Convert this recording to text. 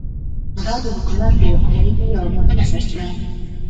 دا د حکومت د عوایدو یوه مهمه سرچینه وه.